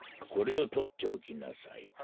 これをとっておきなさい。